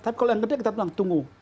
tapi kalau yang gede kita bilang tunggu